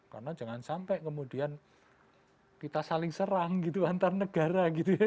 karena jangan sampai kemudian kita saling serang gitu antar negara gitu ya